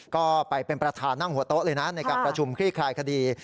ก็ไปเป็นประธานนั่งหัวโต๊ะเลยนะในการประชุมคลี่คลายคดี